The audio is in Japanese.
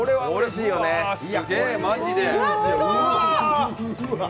すごーい！